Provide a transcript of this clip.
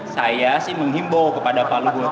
saya sih menghimbau kepada pak luhut